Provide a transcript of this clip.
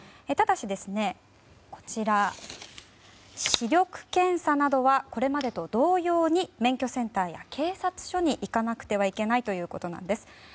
ただし視力検査などはこれまでと同様に免許センターや警察署に行かなくてはいけないということです。